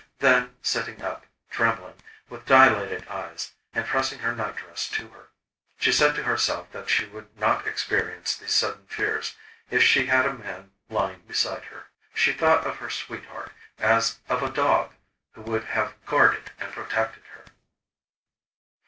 Then, sitting up, trembling, with dilated eyes, and pressing her nightdress to her, she said to herself that she would not experience these sudden fears, if she had a man lying beside her. She thought of her sweetheart as of a dog who would have guarded and protected her.